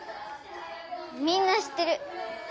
みんな知ってる。